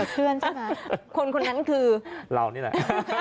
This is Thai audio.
เพื่อนใช่ไหมคนคนนั้นคือเรานี่แหละ